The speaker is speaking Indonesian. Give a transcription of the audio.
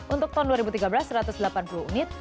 untuk tahun dua ribu tiga belas satu ratus delapan puluh unit